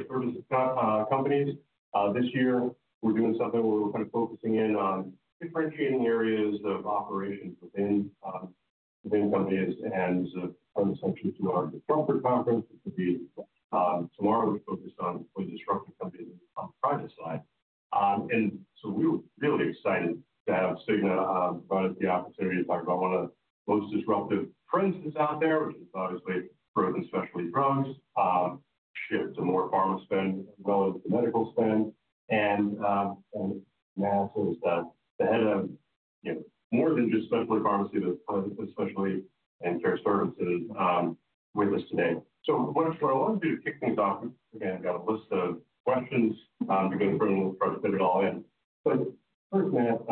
Healthcare service companies. This year, we're doing something where we're kind of focusing in on differentiating areas of operations within companies and some attention to our Disruptor Conference, which will be tomorrow. We're focused on the disruptive companies on the private side. And so we're really excited to have Cigna provide us the opportunity to talk about one of the most disruptive trends that's out there, which is obviously driven specialty drugs shift to more pharma spend as well as the medical spend. And Matt is the head of, you know, more than just specialty pharmacy, but specialty and care services with us today. So what I want to do is kick things off. Again, I've got a list of questions, we're going to try to fit it all in. But first, Matt,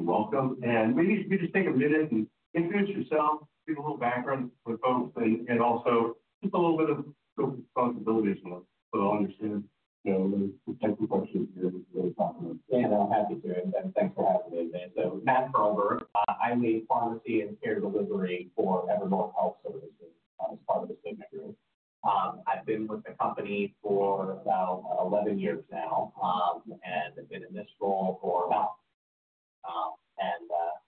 welcome. Maybe if you just take a minute and introduce yourself, give a little background for folks and also just a little bit of responsibilities so I understand, you know, the types of questions you're really talking about. Yeah, happy to, and thanks for having me today. So, Matt Perlberg, I lead Pharmacy and Care Delivery for Evernorth Health Services, as part of the Cigna Group. I've been with the company for about eleven years now, and I've been in this role for about, and yeah, so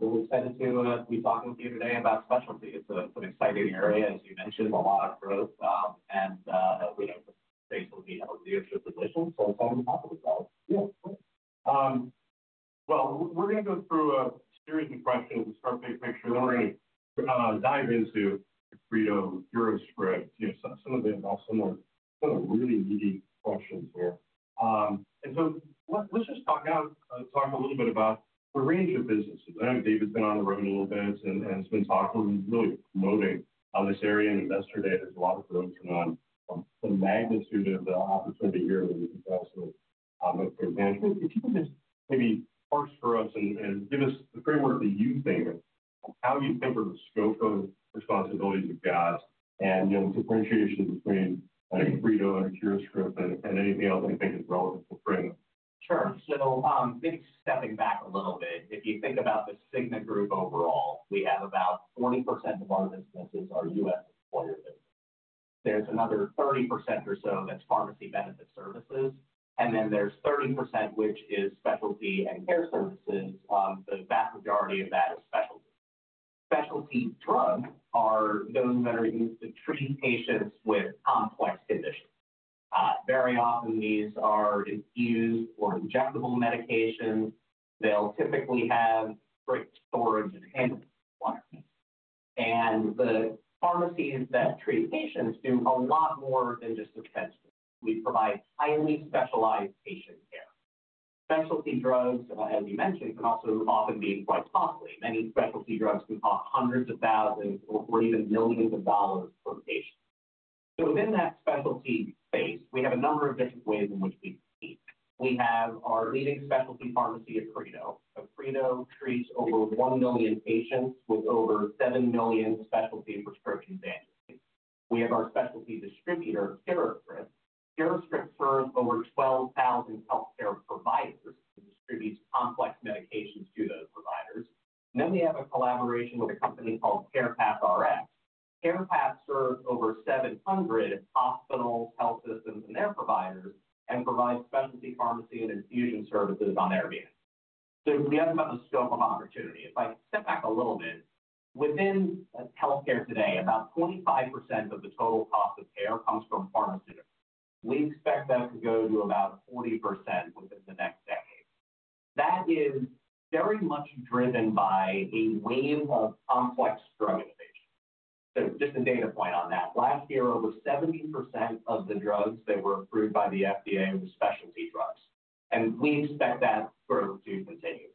we're excited to be talking with you today about specialty. It's an exciting area, as you mentioned, a lot of growth, and we have a leadership position, so excited to talk with you about it. Yeah, great. Well, we're going to go through a series of questions, just make sure we're diving into Accredo, CuraScript, you know, some of the really meaty questions here. And so let's just talk now, talk a little bit about the range of businesses. I know David's been on the road a little bit and has been talking, really promoting this area in Investor Day. There's a lot of promotion on the magnitude of the opportunity here with, if you can just maybe parse for us and give us the framework that you think of, how do you temper the scope of responsibilities you've got and, you know, the differentiation between Accredo and CuraScript and anything else that you think is relevant to frame? Sure. So maybe stepping back a little bit, if you think about the Cigna Group overall, we have about 40% of our businesses are U.S. employer-based. There's another 30% or so that's pharmacy benefit services, and then there's 30%, which is specialty and care services, the vast majority of that is specialty. Specialty drugs are those that are used to treat patients with complex conditions. Very often these are infused or injectable medications. They'll typically have strict storage and handling requirements. And the pharmacies that treat patients do a lot more than just dispense. We provide highly specialized patient care. Specialty drugs, as you mentioned, can also often be quite costly. Many specialty drugs can cost hundreds of thousands or even millions of dollars per patient. So within that specialty space, we have a number of different ways in which we compete. We have our leading specialty pharmacy, Accredo. Accredo treats over 1 million patients with over 7 million specialty prescriptions annually. We have our specialty distributor, CuraScript. CuraScript serves over 12,000 healthcare providers and distributes complex medications to those providers. Then we have a collaboration with a company called CarepathRx. CarePath serves over 700 hospitals, health systems, and their providers, and provides specialty pharmacy and infusion services on their behalf. So we have about the scope of opportunity. If I step back a little bit, within healthcare today, about 25% of the total cost of care comes from pharmaceuticals. We expect that to go to about 40% within the next decade. That is very much driven by a wave of complex drug innovation. So just a data point on that. Last year, over 70% of the drugs that were approved by the FDA were specialty drugs, and we expect that growth to continue,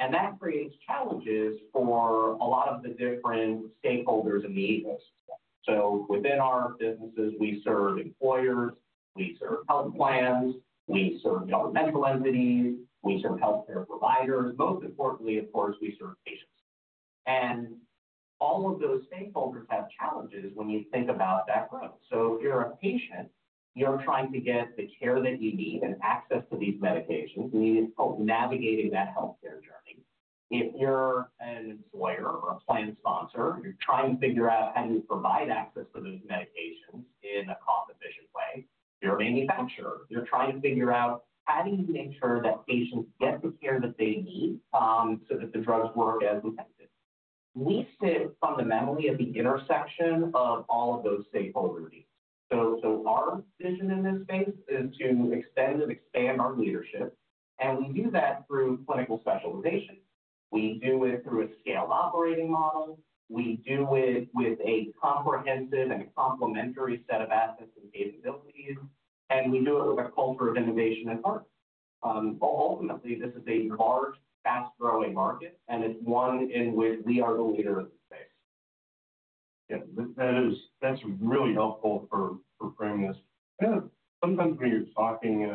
and that creates challenges for a lot of the different stakeholders in the ecosystem, so within our businesses, we serve employers, we serve health plans, we serve governmental entities, we serve healthcare providers. Most importantly, of course, we serve patients. And all of those stakeholders have challenges when you think about that growth, so if you're a patient, you're trying to get the care that you need and access to these medications. You need help navigating that healthcare journey. If you're an employer or a plan sponsor, you're trying to figure out how do you provide access to those medications in a cost-efficient way. If you're a manufacturer, you're trying to figure out how do you make sure that patients get the care that they need, so that the drugs work as intended. We sit fundamentally at the intersection of all of those stakeholder needs. So our vision in this space is to extend and expand our leadership, and we do that through clinical specialization. We do it through a scaled operating model, we do it with a comprehensive and complementary set of assets and capabilities, and we do it with a culture of innovation at heart. But ultimately, this is a large, fast-growing market, and it's one in which we are the leader in the space. Yeah, that is that's really helpful for, for framing this. Sometimes when you're talking,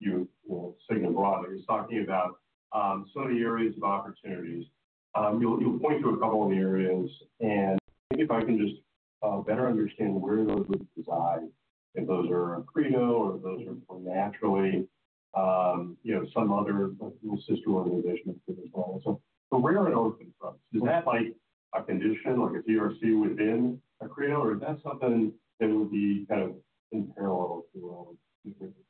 you, well, Cigna Group, he's talking about some of the areas of opportunities. You'll point to a couple of the areas, and maybe if I can just better understand where those would reside, if those are Accredo or if those are more naturally you know, some other sister organization as well. So rare and orphan drugs, is that like a condition, like a TRC within Accredo, or is that something that would be kind of in parallel to all?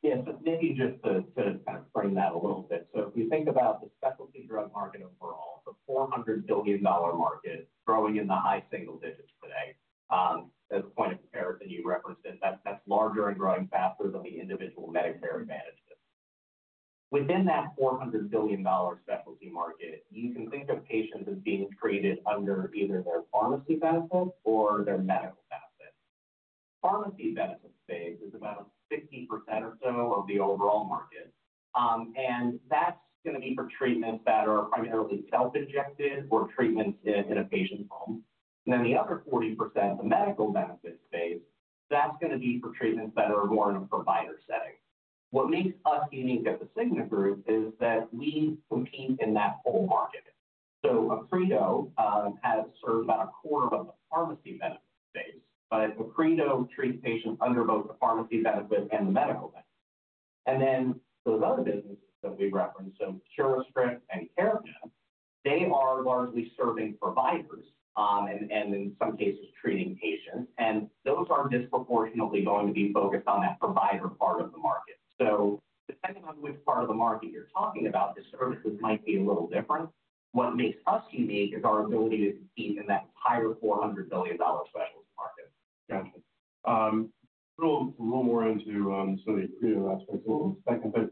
Yeah, so maybe just to kind of frame that a little bit. So if we think about the specialty drug market overall, it's a $400 billion market growing in the high single digits today. As a point of comparison, you referenced that, that's larger and growing faster than the individual Medicare Advantage system. Within that $400 billion specialty market, you can think of patients as being treated under either their pharmacy benefit or their medical benefit. Pharmacy benefit space is about 60% or so of the overall market, and that's gonna be for treatments that are primarily self-injected or treatments in a patient's home. And then the other 40%, the medical benefit space, that's gonna be for treatments that are more in a provider setting. What makes us unique at the Cigna Group is that we compete in that whole market, so Accredo has served about a quarter of the pharmacy benefit space, but Accredo treats patients under both the pharmacy benefit and the medical benefit, and then those other businesses that we referenced, so CuraScript and Carepath, they are largely serving providers, and in some cases, treating patients, and those are disproportionately going to be focused on that provider part of the market, so depending on which part of the market you're talking about, the services might be a little different. What makes us unique is our ability to compete in that entire $400 billion specialty market. Gotcha. A little more into some of the creative aspects in a second, but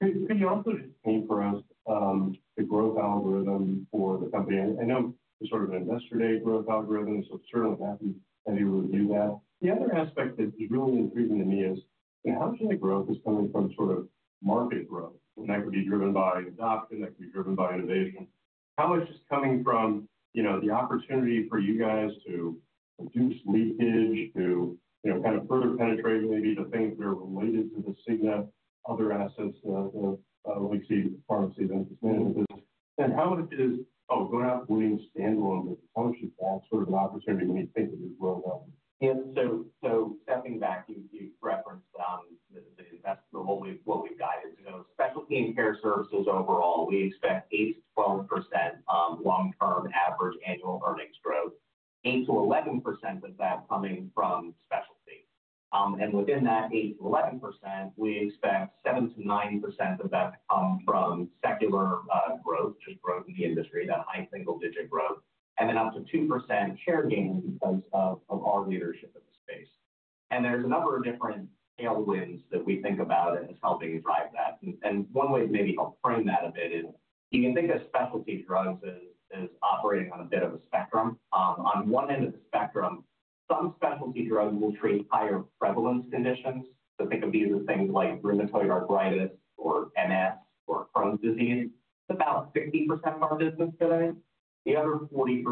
can you also just paint for us the growth algorithm for the company? I know it's sort of an investor day growth algorithm, so certainly happy and able to do that. The other aspect that is really intriguing to me is, how much of the growth is coming from sort of market growth, and that could be driven by adoption, that could be driven by innovation? How much is coming from, you know, the opportunity for you guys to reduce leakage to, you know, kind of further penetrate maybe the things that are related to the Cigna, other assets, we see pharmacy benefits. And how is going out winning standalone with functions, that sort of an opportunity when you think of this growth? Yeah. So, so stepping back, you, you referenced, that's what we, what we've guided. So specialty and care services overall, we expect 8-12% long-term average annual earnings growth, 8-11% of that coming from specialty. And within that 8-11%, we expect 7-9% of that to come from secular growth, just growth in the industry, that high single digit growth, and then up to 2% share gains because of, of our leadership in the space. And there's a number of different tailwinds that we think about as helping drive that, and one way to maybe help frame that a bit is, you can think of specialty drugs as, as operating on a bit of a spectrum. On one end of the spectrum, some specialty drugs will treat higher prevalence conditions. So think of these as things like rheumatoid arthritis or MS, or Crohn's disease. It's about 50% of our business today. The other 40%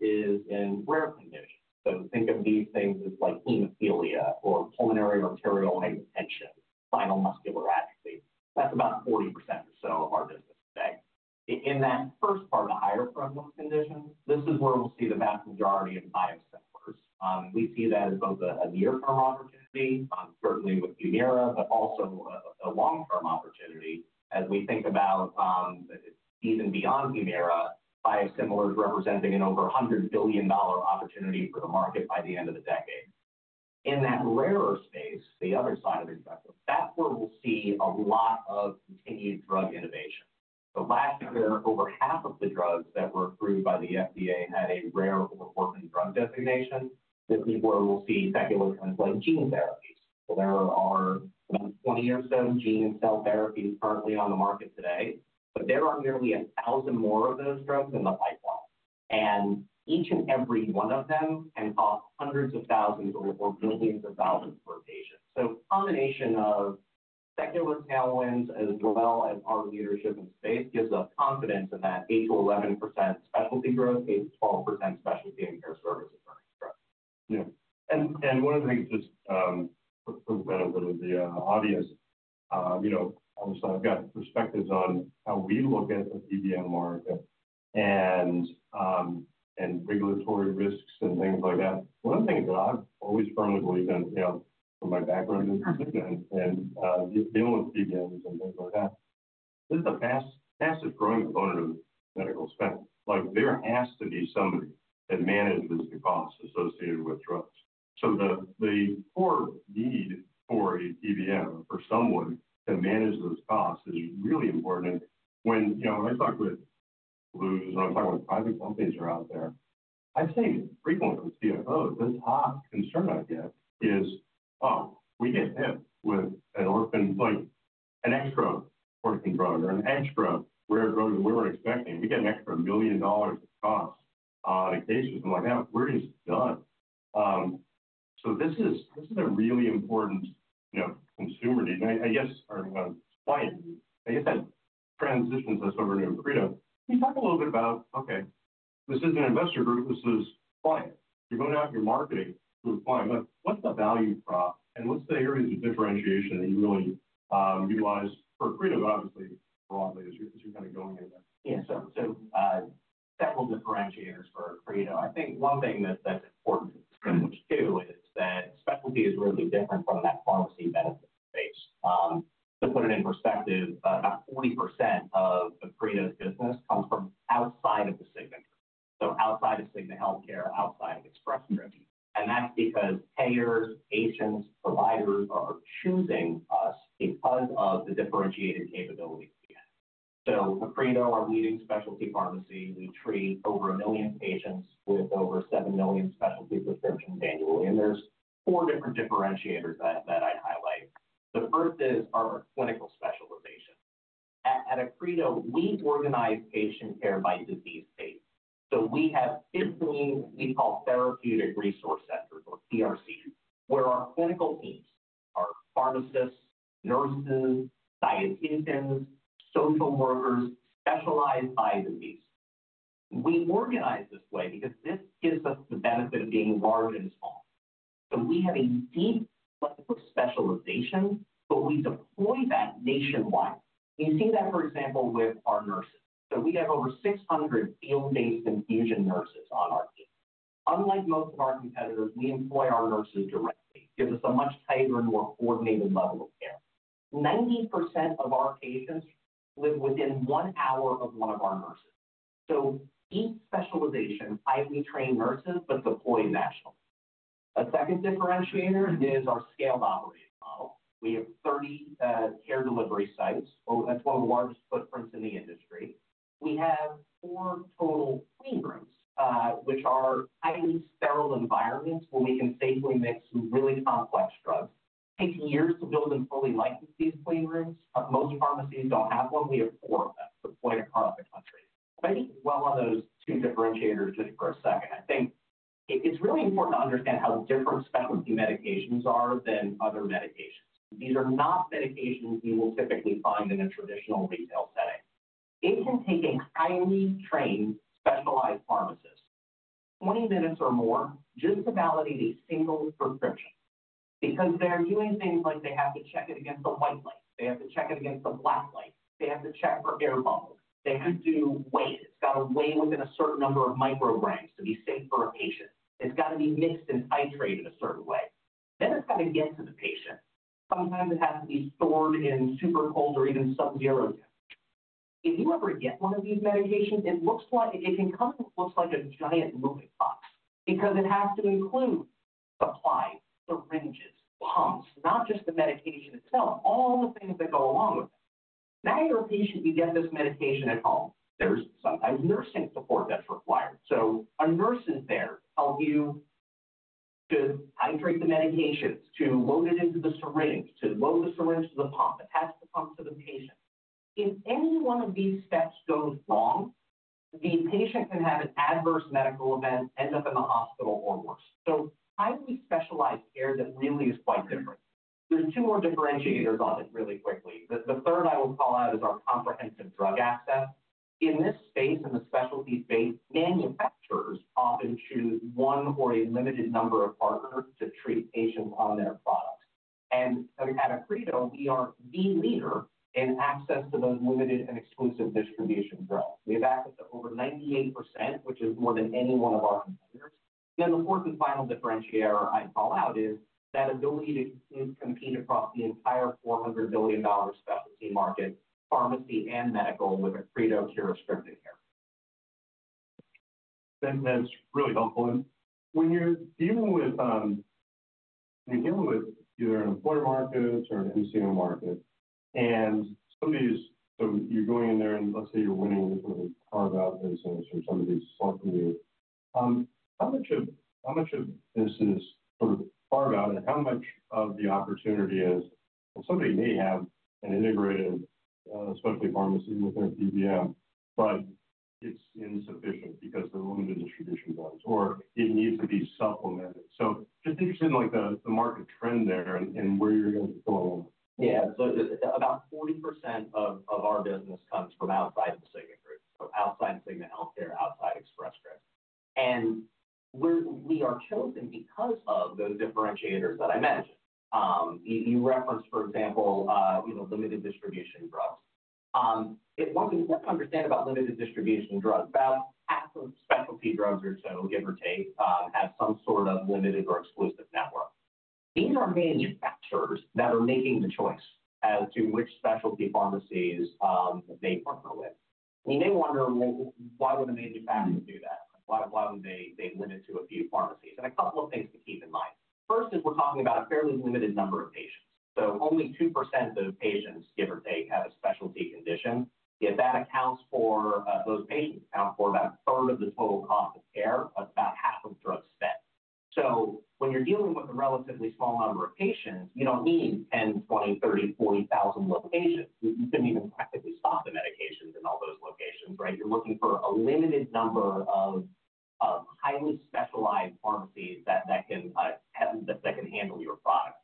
is in rare conditions. So think of these things as like hemophilia or pulmonary arterial hypertension, spinal muscular atrophy. That's about 40% or so of our business today. In that first part, the higher prevalence conditions, this is where we'll see the vast majority of biosimilars. We see that as both a near-term opportunity, certainly with Humira, but also a long-term opportunity as we think about even beyond Humira, biosimilars representing an over $100 billion dollar opportunity for the market by the end of the decade. In that rarer space, the other side of the spectrum, that's where we'll see a lot of continued drug innovation. So last year, over half of the drugs that were approved by the FDA had a rare or orphan drug designation. This is where we'll see secular trends like gene therapies. So there are about 20 or so gene and cell therapies currently on the market today, but there are nearly 1,000 more of those drugs in the pipeline, and each and every one of them can cost $hundreds of thousands or millions of thousands per patient. So combination of secular tailwinds, as well as our leadership in space, gives us confidence in that 8-11% specialty growth, 8-12% specialty and care services growth. Yeah. And one of the things just for the benefit of the audience, you know, obviously I've got perspectives on how we look at the PBM market and regulatory risks and things like that. One of the things that I've always firmly believed in, you know, from my background in just dealing with PBMs and things like that, this is the fastest growing component of medical spend. Like, there has to be somebody that manages the costs associated with drugs. So the core need for a PBM, for someone to manage those costs is really important. When, you know, when I talk with Blues, when I'm talking with private companies are out there, I've seen frequently with CFOs, the top concern I get is, oh, we get hit with an orphan, like an extra orphan drug or an extra rare drug than we were expecting. We get an extra $1 million in cost, in cases like that, we're just done. So this is, this is a really important, you know, consumer need. I, I guess, or, client need. I guess that transitions us over to Accredo. Can you talk a little bit about, okay, this is an investor group, this is client. You're going out, you're marketing to a client, but what's the value prop, and what's the areas of differentiation that you really, utilize for Accredo, obviously, broadly, as you're kinda going in there? Yeah. So several differentiators for, you know, I think one thing that's important is that specialty is really different from that pharmacy benefit space. To put it in perspective, about 40% of Accredo's business comes from outside of the Cigna Group. So outside of Cigna Healthcare, outside of Express Scripts. And that's because payers, patients, providers are choosing us because of the differentiated capabilities we have. So Accredo, our leading specialty pharmacy, we treat over 1 million patients with over 7 million specialty prescriptions annually, and there's four different differentiators that I'd highlight. The first is our clinical specialization. At Accredo, we organize patient care by disease state. So we have fifteen, we call Therapeutic Resource Centers or TRCs, where our clinical teams, our pharmacists, nurses, dieticians, social workers, specialize by disease. We organize this way because this gives us the benefit of being large and small, so we have a deep level of specialization, but we deploy that nationwide. You see that, for example, with our nurses, so we have over 600 field-based infusion nurses on our team. Unlike most of our competitors, we employ our nurses directly, gives us a much tighter and more coordinated level of care. 90% of our patients live within one hour of one of our nurses, so each specialization, highly trained nurses, but deployed nationally. A second differentiator is our scaled operating model. We have 30 care delivery sites, well, that's one of the largest footprints in the industry. We have four total clean rooms, which are highly sterile environments where we can safely mix some really complex drugs. Takes years to build and fully license these clean rooms. Most pharmacies don't have one. We have four of them deployed across the country. I think dwell on those two differentiators just for a second. It's really important to understand how different specialty medications are than other medications. These are not medications you will typically find in a traditional retail setting. It can take a highly trained, specialized pharmacist twenty minutes or more just to validate a single prescription, because they're doing things like they have to check it against a white light, they have to check it against a black light, they have to check for air bubbles, they have to weigh it. It's got to weigh within a certain number of micrograms to be safe for a patient. It's got to be mixed and titrated a certain way. Then it's got to get to the patient. Sometimes it has to be stored in super cold or even subzero temperatures. If you ever get one of these medications, it looks like, it can come, it looks like a giant moving box, because it has to include supplies, syringes, pumps, not just the medication itself, all the things that go along with it. Now, your patient, you get this medication at home, there's sometimes nursing support that's required. So a nurse is there to help you to titrate the medications, to load it into the syringe, to load the syringe to the pump, attach the pump to the patient. If any one of these steps goes wrong, the patient can have an adverse medical event, end up in the hospital or worse. So highly specialized care that really is quite different. There's two more differentiators on it really quickly. The third I will call out is our comprehensive drug access. In this space, in the specialty space, manufacturers often choose one or a limited number of partners to treat patients on their products. And at Accredo, we are the leader in access to those limited and exclusive distribution drugs. We have access to over 98%, which is more than any one of our competitors. Then the fourth and final differentiator I'd call out is that ability to compete across the entire $400 billion specialty market, pharmacy and medical, with Accredo CuraScript care. That's, that's really helpful. And when you're dealing with either an employer market or an MCO market, and some of these, so you're going in there and let's say you're winning with a carve-out business or some of these small community, how much of this is sort of carved out, and how much of the opportunity is, somebody may have an integrated specialty pharmacy within a PBM, but it's insufficient because the limited distribution ones, or it needs to be supplemented. So just interested in, like, the market trend there and where you're going to go. Yeah. So about 40% of our business comes from outside the Cigna Group, so outside Cigna Healthcare, outside Express Scripts. And we are chosen because of those differentiators that I mentioned. You referenced, for example, you know, limited distribution drugs. One thing to understand about limited distribution drugs, about half of specialty drugs or so, give or take, have some sort of limited or exclusive network. These are manufacturers that are making the choice as to which specialty pharmacies they partner with. You may wonder, well, why would a manufacturer do that? Why would they limit to a few pharmacies? And a couple of things to keep in mind. First is we are talking about a fairly limited number of patients, so only 2% of patients, give or take, have a specialty condition. Yet that accounts for, those patients account for about a third of the total cost of care, about half of drug spend. So when you're dealing with a relatively small number of patients, you don't need ten, twenty, thirty, forty thousand locations. You can even practically stock the medications in all those locations, right? You're looking for a limited number of highly specialized pharmacies that can handle your product.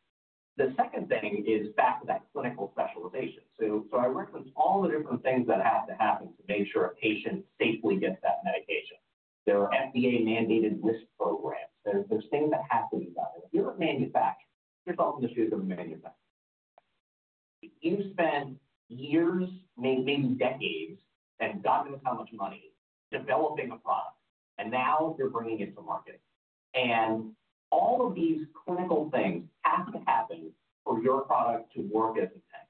The second thing is back to that clinical specialization. So I referenced all the different things that have to happen to make sure a patient safely gets that medication. There are FDA-mandated risk programs. There's things that have to be done. If you're a manufacturer, put yourself in the shoes of a manufacturer.... You've spent years, maybe decades, and God knows how much money developing a product, and now you're bringing it to market. And all of these clinical things have to happen for your product to work as intended.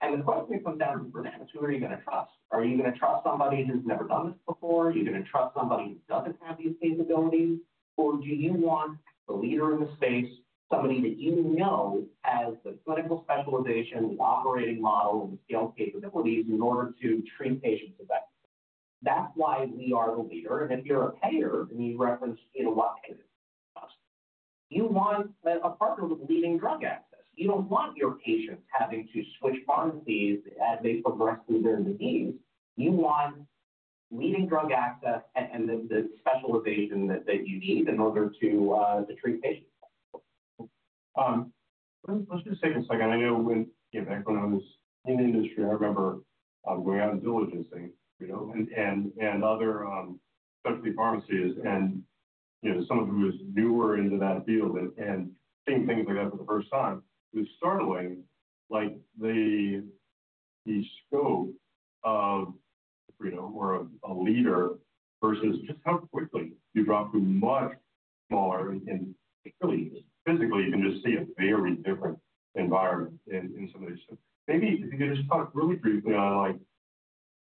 And the question comes down to, who are you going to trust? Are you going to trust somebody who's never done this before? Are you going to trust somebody who doesn't have these capabilities? Or do you want the leader in the space, somebody that you know has the clinical specialization, the operating model, and the scale capabilities in order to treat patients effectively? That's why we are the leader. And if you're a payer, and you referenced, you know, what payers, you want a partner with leading drug access. You don't want your patients having to switch pharmacies as they progress through their disease. You want leading drug access and the specialization that you need in order to treat patients. Let's just take a second. I know when, you know, back when I was in industry, I remember going out and diligencing, you know, and other specialty pharmacies and, you know, someone who is newer into that field and seeing things like that for the first time, it was startling, like, the scope of, you know, or a leader versus just how quickly you drop to much smaller and really, physically, you can just see a very different environment in some of these. Maybe you can just talk really briefly on, like,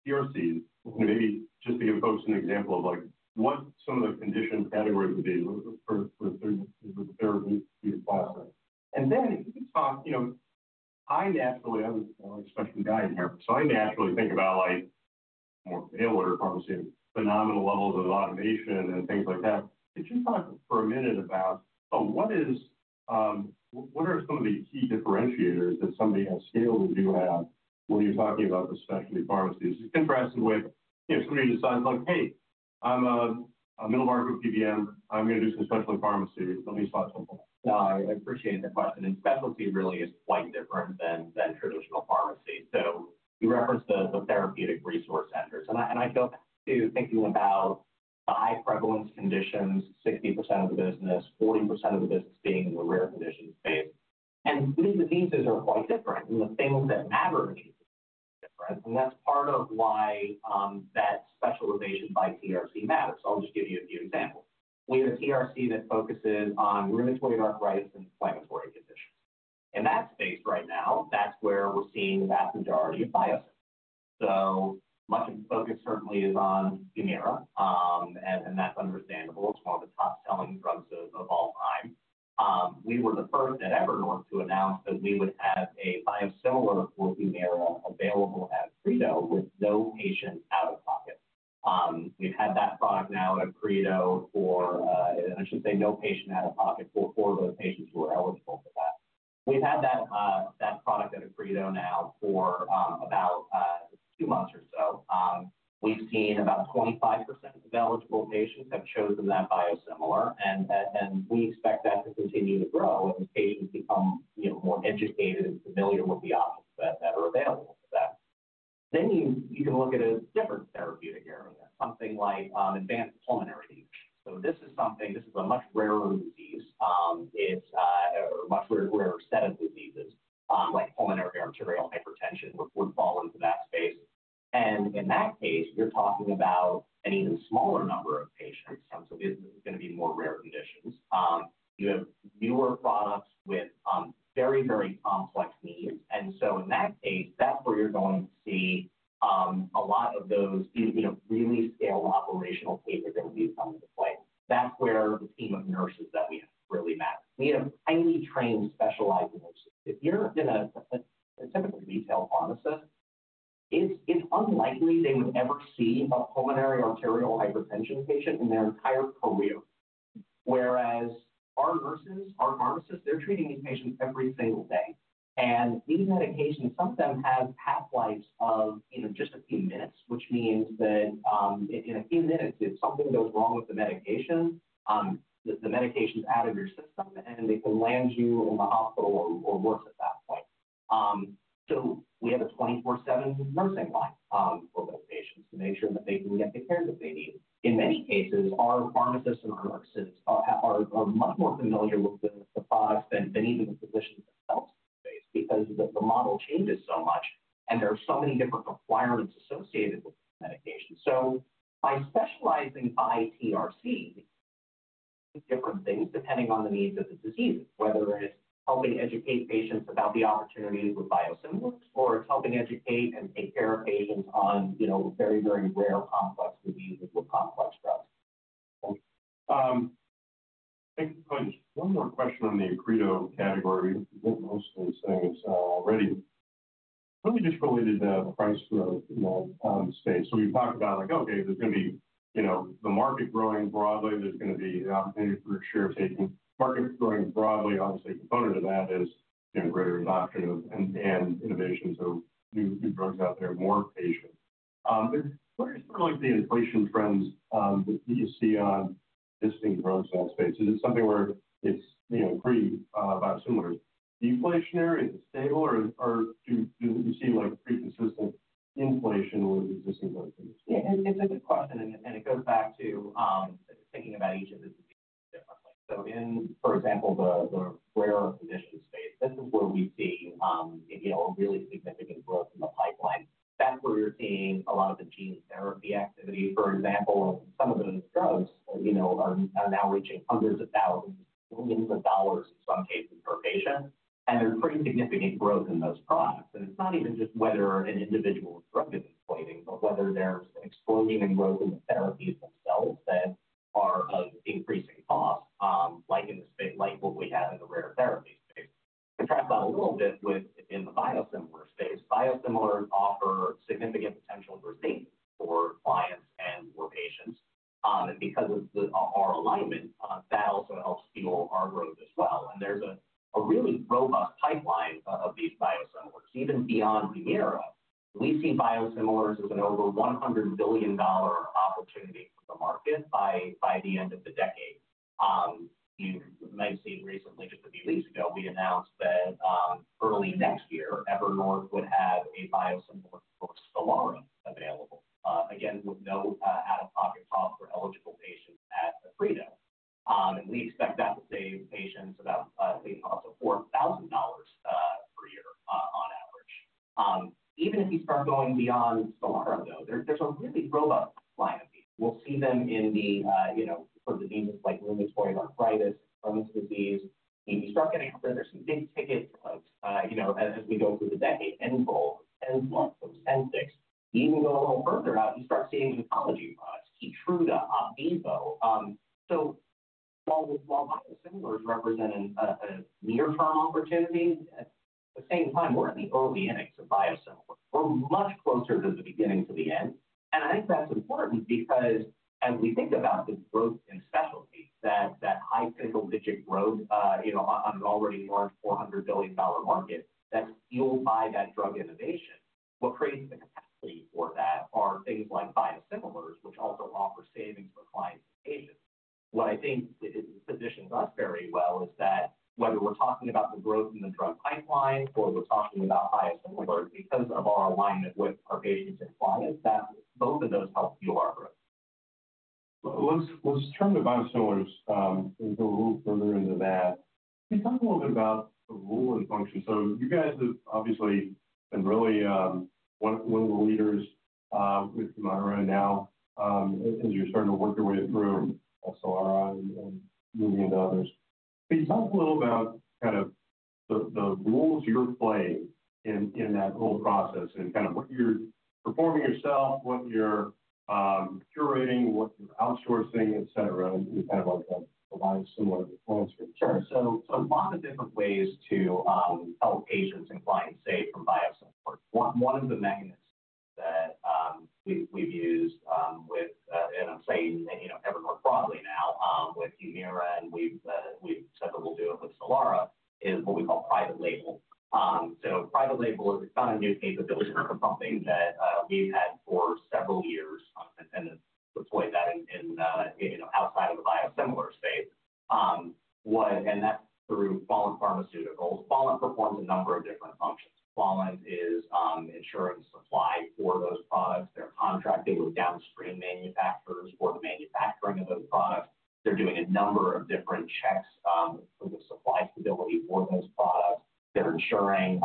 TRCs, maybe just to give folks an example of, like, what some of the condition categories would be for therapeutic resource centers. Then if you could talk, you know, I naturally, I'm a specialty guy in here, so I naturally think about, like, more mail order pharmacy, phenomenal levels of automation and things like that. Could you talk for a minute about what are some of the key differentiators that somebody at scale that you have when you're talking about the specialty pharmacies? Just contrasting with, you know, somebody decides, like, "Hey, I'm a middle-market PBM, I'm gonna do some specialty pharmacy." Let me spot something. No, I appreciate the question. And specialty really is quite different than traditional pharmacy. So you referenced the Therapeutic Resource Centers, and I go back to thinking about the high prevalence conditions, 60% of the business, 40% of the business being in the rare condition space. And these diseases are quite different, and the things that matter to me are different. And that's part of why that specialization by TRC matters. I'll just give you a few examples. We have a TRC that focuses on rheumatoid arthritis and inflammatory conditions. In that space right now, that's where we're seeing the vast majority of biosimilars. So much of the focus certainly is on Humira, and that's understandable. It's one of the top-selling drugs of all time. We were the first at Evernorth to announce that we would have a biosimilar for Humira available at Accredo with no patient out-of-pocket. We've had that product now at Accredo for, I should say, no patient out-of-pocket for those patients who are eligible for that. We've had that product at Accredo now for about two months or so. We've seen about 25% of eligible patients have chosen that biosimilar, and we expect that to continue to grow as patients become, you know, more educated and familiar with the options that are available to them. Then you can look at a different therapeutic area, something like advanced pulmonary disease. This is a much rarer disease or much rarer set of diseases, like pulmonary arterial hypertension, which would fall into that space. And in that case, you're talking about an even smaller number of patients. This is gonna be more rare conditions. You have newer products with very, very complex needs. And so in that case, that's where you're going to see a lot of those, you know, really scaled operational capabilities come into play. That's where the team of nurses that we have really matter. We have a highly trained, specialized nurses. If you're in a typical retail pharmacist, it's unlikely they would ever see a pulmonary arterial hypertension patient in their entire career. Whereas our nurses, our pharmacists, they're treating these patients every single day. These medications, some of them have half-lives of, you know, just a few minutes, which means that in a few minutes, if something goes wrong with the medication, the medication's out of your system, and it can land you in the hospital or worse at that point. We have a 24/7 nursing line for those patients to make sure that they can get the care that they need. In many cases, our pharmacists and our nurses are much more familiar with the products than even the physicians themselves because the model changes so much, and there are so many different requirements associated with medication. So by specializing by TRC, different things, depending on the needs of the disease, whether it's helping educate patients about the opportunities with biosimilars, or it's helping educate and take care of patients on, you know, very, very rare complex diseases with complex drugs. One more question on the Accredo category. I think most of these things are already... Totally just related to the price growth, you know, space. So we talked about, like, okay, there's gonna be, you know, the market growing broadly, there's gonna be an opportunity for share taking. Markets growing broadly, obviously, component of that is greater adoption and innovation, so new drugs out there, more patients. But what are some of the inflation trends that you see on existing drugs in that space? Is it something where it's, you know, pretty biosimilar? Is it inflationary, is it stable, or do you see, like, pretty consistent inflation with existing drugs? Yeah, it's a good question, and it goes back to thinking about each of the diseases. So, for example, the rare disease space, this is where we see you know, a really significant growth in the pipeline. That's where you're seeing a lot of the gene therapy activity. For example, some of those drugs, you know, are now reaching hundreds of thousands, millions of dollars in some cases per patient, and there's pretty significant growth in those products. And it's not even just whether an individual drug is inflating, but whether there's an explosion and growth in the therapies themselves that are of increasing cost, like in the space, like what we have in the rare disease space. Contrast that a little bit with the biosimilar space. Biosimilars offer significant potential for savings for clients and for patients. And because of our alignment, that also helps fuel our growth as well. And there's a really robust pipeline of these biosimilars. Even beyond Humira, we see biosimilars as an over $100 billion opportunity for the market by the end of the decade. You may have seen recently, just a few weeks ago, we announced that early next year, Evernorth would have a biosimilar for Stelara available, again, with no out-of-pocket costs for eligible patients at Accredo. And we expect that to save patients about upwards of $4,000 per year, on average. Even if you start going beyond Stelara, though, there's a really robust line of these. We'll see them in the you know for diseases like rheumatoid arthritis, Crohn's disease. If you start getting out there, there's some big ticket drugs. You know, as we go through the day, Enbrel, Humira, Cosentyx. Even go a little further out, you start seeing oncology products, Keytruda, Opdivo. So while biosimilars represent a near-term opportunity, at the same time, we're in the early innings of biosimilars. We're much closer to the beginning to the end. And I think that's important because as we think about the growth in specialty, that high single-digit growth, you know, on an already large $400 billion market, that's fueled by that drug innovation. What creates the capacity for that are things like biosimilars, which also offer savings for clients and patients. What I think positions us very well is that whether we're talking about the growth in the drug pipeline, or we're talking about biosimilars, because of our alignment with our patients and clients, that both of those help fuel our growth. Let's turn to biosimilars and go a little further into that. Can you talk a little bit about the role and function? So you guys have obviously been really one of the leaders with Humira now as you're starting to work your way through Stelara and moving into others. Can you talk a little about kind of the roles you're playing in that whole process and kind of what you're performing yourself, what you're curating, what you're outsourcing, et cetera, and kind of like a biosimilar performance? Sure. So a lot of different ways to help patients and clients save from biosimilar. One of the mechanisms that we've used with and I'm saying, you know, Evernorth broadly now with Humira, and we've said that we'll do it with Stelara, is what we call private label. So private label is kind of a new capability for something that we've had for several years, and deployed that in, you know, outside of the biosimilar space, and that's through Quallent Pharmaceuticals. Quallent performs a number of different functions. Quallent is ensuring supply for those products. They're contracting with downstream manufacturers for the manufacturing of those products. They're doing a number of different checks for the supply stability for those products. They're ensuring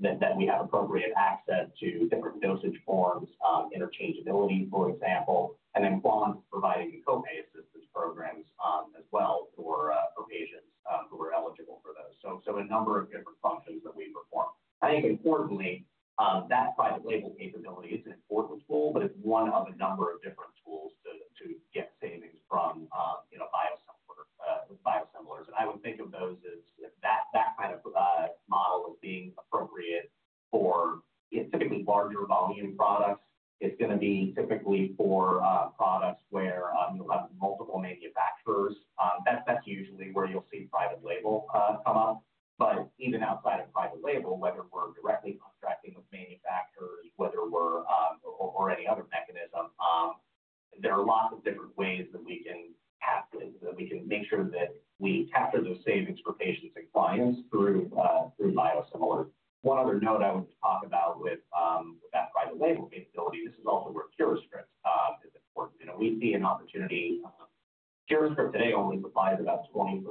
that we have appropriate access to different dosage forms, interchangeability, for example, and then Quallent providing copay assistance programs, as well for patients who are eligible for those. So a number of different functions that we perform. I think importantly, that private label capability is an important tool, but it's one of a number of different tools to get savings from, you know, biosimilar with biosimilars. And I would think of those as that kind of model as being appropriate for. It's typically larger volume products. It's gonna be typically for products where you'll have multiple manufacturers. That's usually where you'll see private label come up. But even outside of private label, whether we're directly contracting with manufacturers, whether we're, or any other mechanism, there are lots of different ways that we can capture, that we can make sure that we capture those savings for patients and clients through biosimilars. One other note I would talk about with that private label capability, this is also where CuraScript is important. You know, we see an opportunity. CuraScript today only provides about 20%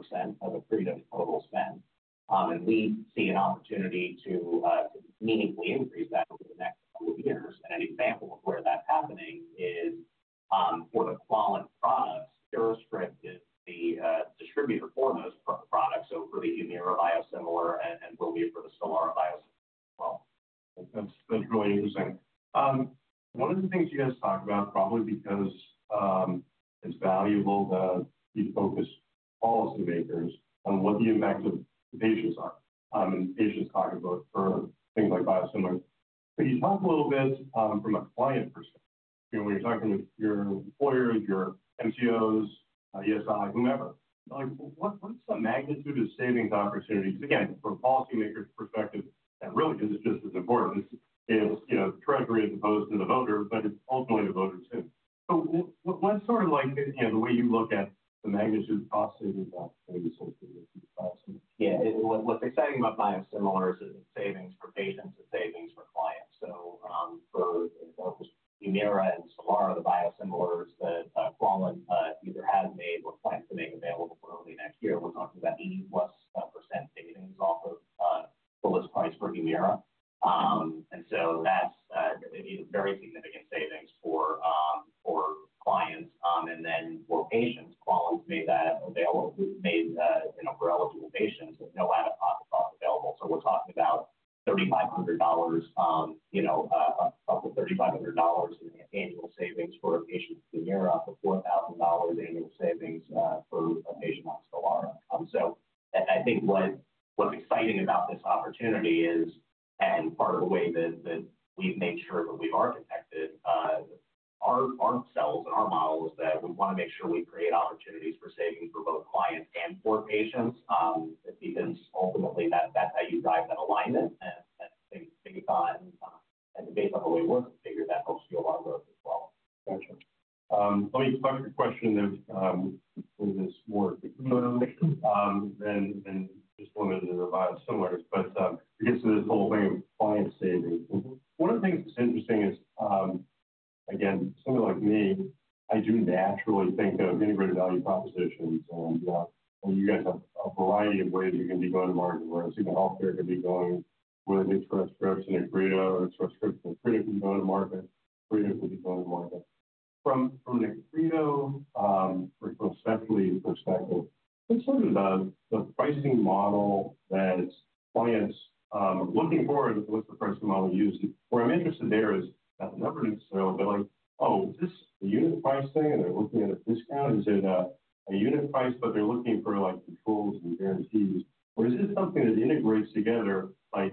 of the Freedom total spend, and we see an opportunity to meaningfully increase that they're like, "Oh, is this a unit price thing?" And they're looking at a discount. Is it a unit price, but they're looking for, like, controls and guarantees, or is this something that integrates together, like,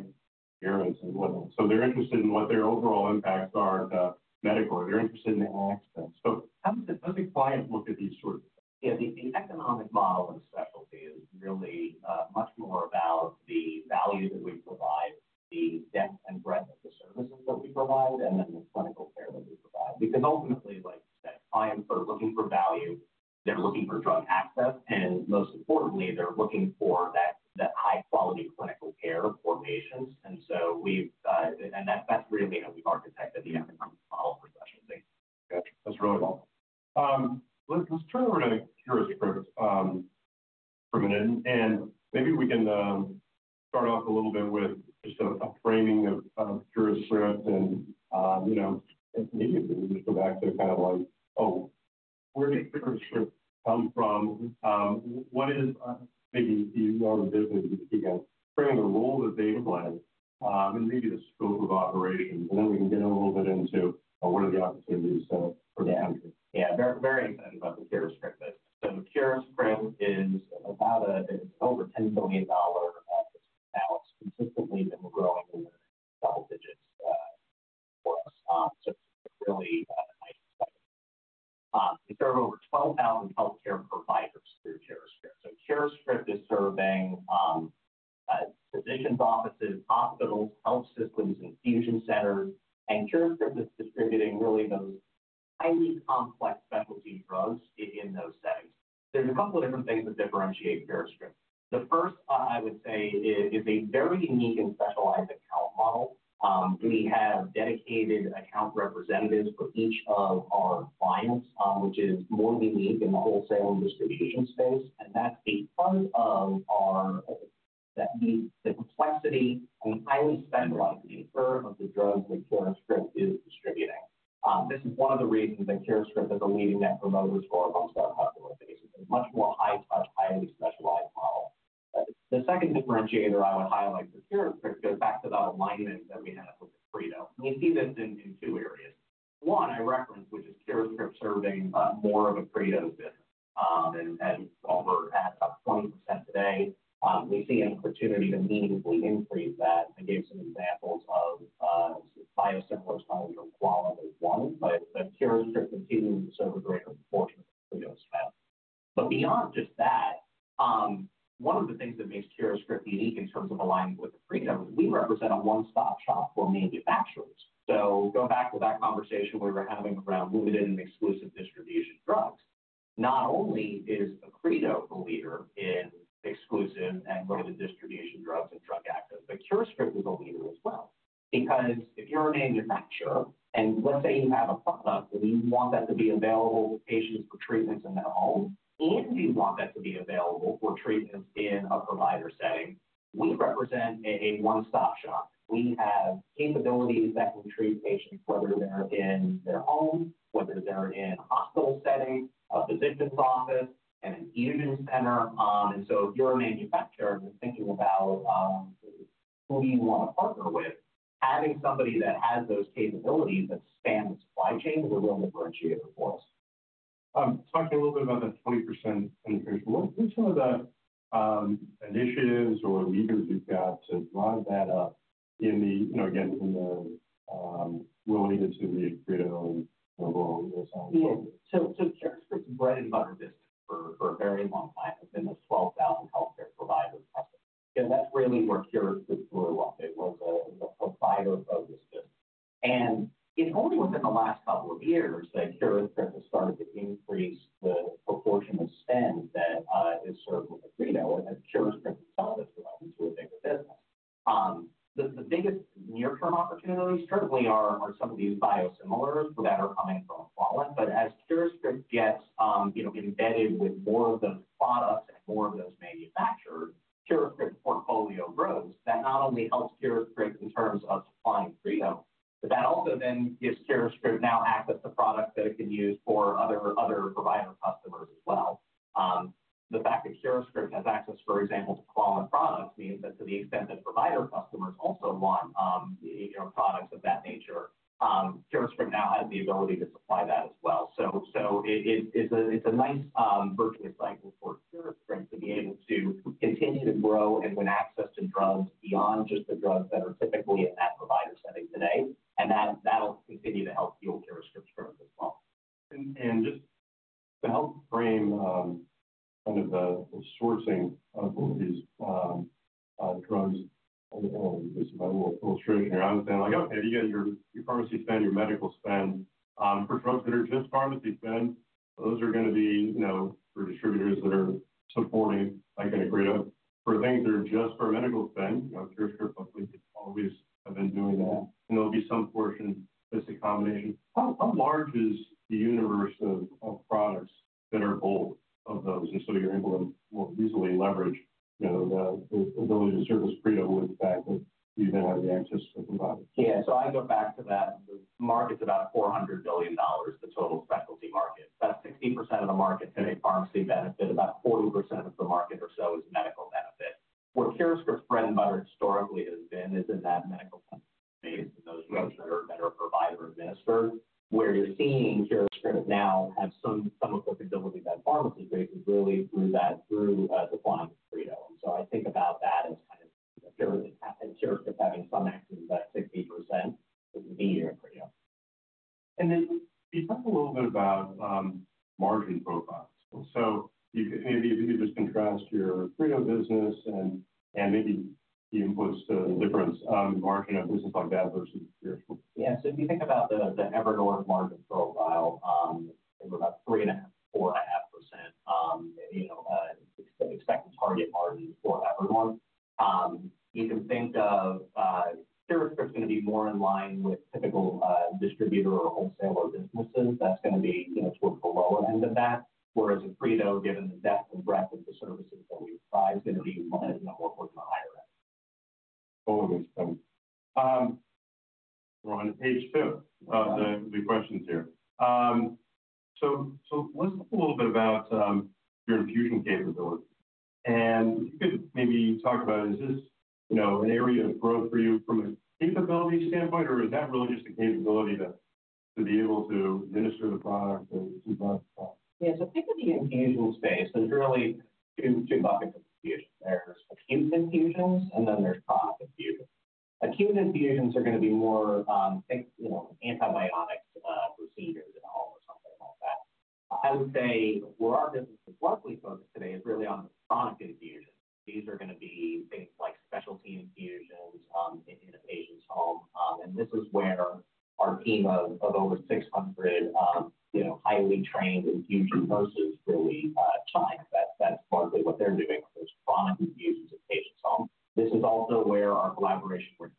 guarantees and what not? So they're interested in what their overall impacts are, the medical, or they're interested in the access. So how does a client look at these sort of- Yeah, the economic model and specialty is really much more about the value that we provide, the depth and breadth of the services that we provide, and then the clinical care that we provide. Because ultimately, like I said, clients are looking for value, they're looking for drug access, and most importantly, they're looking for that high-quality clinical care for patients. And so we've and that's really how we've architected the economic model for specialty. Got you. That's really all. Let's turn around to CuraScript for a minute, and maybe we can start off a little bit with just a framing of CuraScript and you know, maybe if we just go back to kind of like, oh, where did CuraScript come from? What is maybe you are the business, you guys, bringing the role that they play, and maybe the scope of operations. And then we can get a little bit into what are the opportunities for the future. Yeah, very, very excited about the CuraScript. So CuraScript is about a-- it's over $10 billion account. It's consistently been growing in the double digits for us. So it's really nice. We serve over 12,000 healthcare providers through CuraScript. So CuraScript is serving physicians, offices, hospitals, health systems, infusion centers, and CuraScript is distributing really those highly complex specialty drugs in those settings. There's a couple of different things that differentiate CuraScript. The first, I would say is a very unique and specialized account model. We have dedicated account representatives for each of our clients, which is more unique in the wholesale and distribution space, and that's because of our the complexity and highly centralized nature of the drugs that CuraScript is distributing. This is one of the reasons that CuraScript is a leading Net Promoter Score amongst our customer base. It's a much more high touch, highly specialized model. The second differentiator I would highlight for CuraScript goes back to the alignment that we have with Accredo. We see this in two areas. One, I referenced, which is CuraScript serving more of Accredo's business, and over at about 20% today. We see an opportunity to meaningfully increase that. I gave some examples of biosimilars or Quallent as one, but CuraScript continues to serve a greater portion of Accredo's spend. But beyond just that, one of the things that makes CuraScript unique in terms of alignment with Accredo, is we represent a one-stop shop for manufacturers. So going back to that conversation we were having around limited and exclusive distribution drugs, not only is Accredo a leader in exclusive and limited distribution, drugs and drug access, but CuraScript is a leader as well. Because if you're a manufacturer, and let's say you have a product, and you want that to be available to patients for treatments in their homes, and you want that to be available for treatments in a provider setting, we represent a one-stop shop. We have capabilities that can treat patients, whether they're in their home, whether they're in a hospital setting, a physician's office, in an infusion center, and so if you're a manufacturer thinking about, who you want to partner with, having somebody that has those capabilities that span the supply chain is a real differentiator for us. Talk a little bit about that 20% increase. What, what are some of the initiatives or levers you've got to drive that up in the, you know, again, in the related to the Accredo and the role itself? Yeah. So, CuraScript's bread and butter business for a very long time has been the 12,000 healthcare provider, and that's really where CuraScript grew up. It was the provider-focused business. And it's only within the last couple of years that CuraScript has started to increase the proportion of spend that is served with Accredo, and that CuraScript has developed into a bigger business. The biggest near-term opportunities currently are some of these biosimilars that are coming from Quallent. But as CuraScript gets, you know, embedded with more of those products and more of those manufacturers, CuraScript portfolio grows. That not only helps CuraScript in terms of supplying Accredo, but that also then gives CuraScript now access to products that it can use for other provider customers as well. The fact that CuraScript has access, for example, to Quallent products, means that to the extent that provider customers also want, you know, products of that nature, CuraScript now has the ability to supply that as well. It's a nice virtuous cycle for CuraScript to be able to continue to grow and win access to drugs beyond just the drugs that are typically in that provider setting today, and that'll continue to help fuel CuraScript's growth as well. Just to help frame kind of the sourcing of these drugs, just a little illustration. I understand, like, okay, if you get your pharmacy spend, your medical spend, for drugs that are just pharmacy spend, those are gonna be, you know, for distributors that are supporting, like, an Accredo. For things that are just for a medical spend, you know, CuraScript always have been doing that, and there'll be some portion, this combination. How large is the universe of products that are both of those, and so you're able to more easily leverage, you know, the ability to service, right? with the fact that you even have the access to provide? Yeah. So I go back to that. The market's about $400 billion, the total specialty market. About 60% of the market today, pharmacy benefit, about 40% of the market or so is medical benefit. Where CuraScript's bread and butter historically has been, is in that medical benefit, those drugs that are provider administered. Where you're seeing CuraScript now have some of the capability that pharmacy space is really through that through the Evernorth. And so I think about that as kind of CuraScript, and CuraScript having some access to that 60% would be in Evernorth. And then can you talk a little bit about margin profiles? So you, maybe you just contrast your Accredo business and maybe you put the difference, margin on business like that versus CuraScript. Yes. If you think about the Evernorth margin profile, we're about 3.5%-4.5%, you know, expected target margin for Evernorth. You can think of CuraScript's gonna be more in line with typical distributor or wholesaler businesses. That's gonna be, you know, towards the lower end of that, whereas in Accredo, given the depth and breadth of the services that we provide, is gonna be more towards the higher end. We're on page two of the questions here. So, let's talk a little bit about your infusion capability. And you could maybe talk about, is this, you know, an area of growth for you from a capability standpoint, or is that really just a capability to be able to administer the product and move on? Yeah, so think of the infusion space, there's really two buckets of infusions. There's acute infusions, and then there's chronic infusions. Acute infusions are gonna be more, you know, antibiotics, procedures at all or something like that. I would say where our business is largely focused today is really on chronic infusions. These are gonna be things like specialty infusions, in a patient's home, and this is where our team of over 600, you know, highly trained infusion nurses really shine. That's partly what they're doing, those chronic infusions in patient's home. This is also where our collaboration with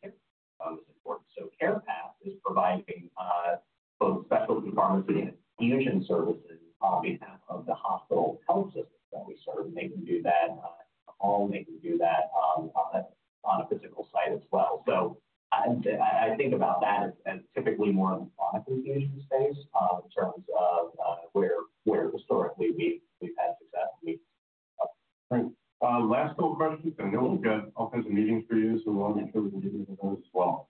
support. So CarePath is providing both specialty pharmacy and infusion services on behalf of the hospital health system that we serve. They can do that at home, they can do that on a physical site as well. So I think about that as typically more of a chronic infusion space, in terms of where historically we've had success with. Great. Last couple questions, and then we've got all kinds of meetings for you, so we want to make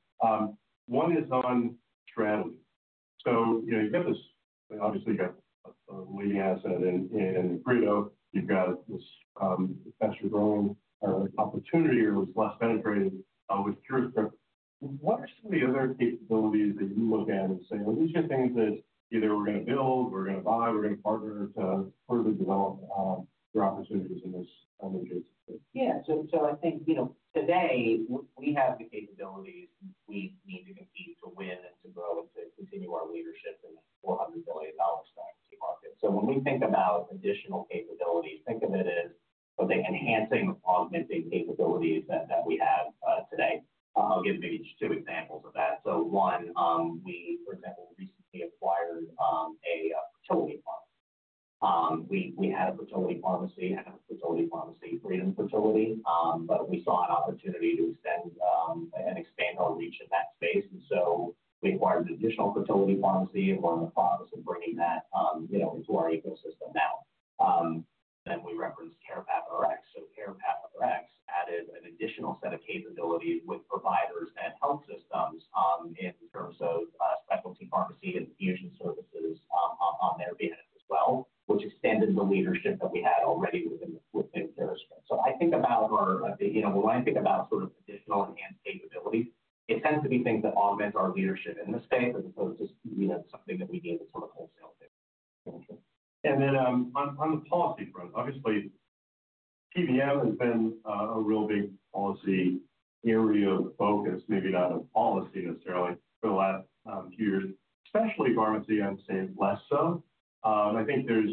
PBM has been a real big policy area of focus, maybe not a policy necessarily, for the last few years, specialty pharmacy. I'd say less so. I think there's,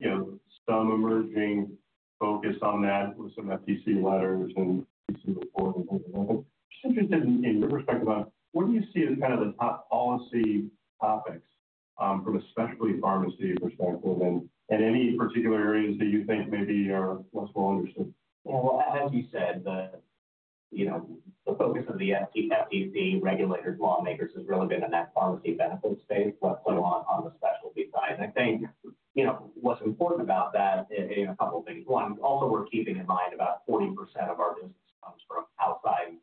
you know, some emerging... focused on that with some FTC letters and reports. Just interested in your perspective on what do you see as kind of the top policy topics from a specialty pharmacy perspective and any particular areas that you think maybe are less well understood? As you said, you know, the focus of the FTC, regulators, lawmakers, has really been in that pharmacy benefit space, but so on, on the specialty side. I think, you know, what's important about that in a couple of things. One, also, we're keeping in mind about 40% of our business comes from outside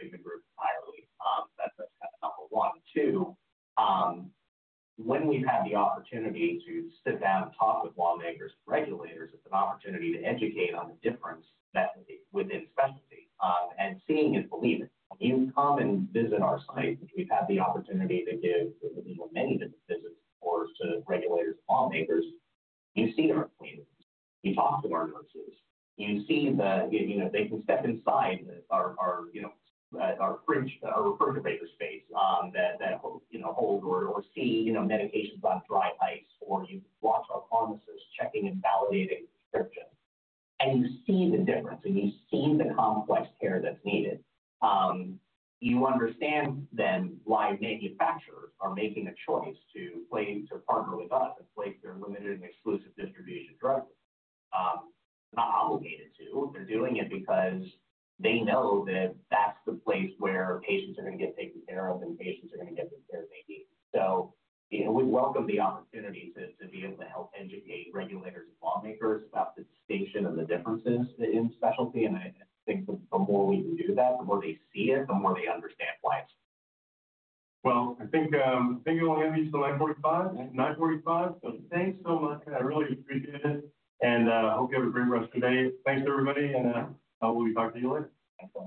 the group entirely. That's number one. Two, when we've had the opportunity to sit down and talk with lawmakers and regulators, it's an opportunity to educate on the difference that within specialty, and seeing is believing. You come and visit our site, which we've had the opportunity to give many different visits or to regulators, lawmakers. You see our clean room, you talk to our nurses, you see the, you know, they can step inside our, you know, our fridge, our refrigerator space, that you know hold or see, you know, medications on dry ice, or you watch our pharmacist checking and validating prescriptions, and you see the difference, and you see the complex care that's needed. You understand then why manufacturers are making a choice to place or partner with us and place their limited and exclusive distribution drugs. Not obligated to. They're doing it because they know that that's the place where patients are going to get taken care of, and patients are going to get the care they need, so you know, we welcome the opportunity to be able to help educate regulators and lawmakers about the distinction and the differences in specialty. And I think the more we can do that, the more they see it, the more they understand why. I think it will end just to 9:45 A.M. 9:45 A.M. Thanks so much. I really appreciate it, and I hope you have a great rest of the day. Thanks, everybody, and we'll talk to you later. Thanks a lot.